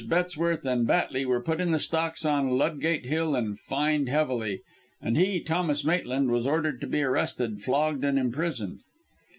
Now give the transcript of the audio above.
Bettesworth and Batley were put in the stocks on Ludgate Hill and fined heavily, and he, Thomas Maitland, was ordered to be arrested, flogged and imprisoned.